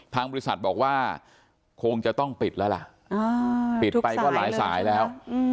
ทางบริษัทบอกว่าคงจะต้องปิดแล้วล่ะปิดไปก็หลายสายแล้ว